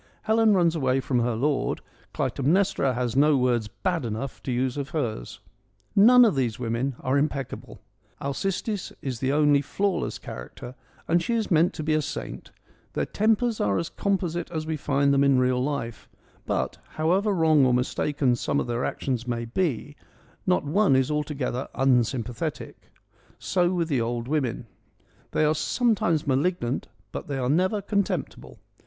Helen runs away from her lord ; Clytemnestra has no words bad enough to use of hers. None of these women are impeccable — Alcestis is the only flawless character and she is meant to be a saint — their tempers are as composite as we find them in real life ; but, however wrong or mistaken some of their actions may be, not one is altogether unsym pathetic. So with the old women. They are some times malignant, but they are never contemptible.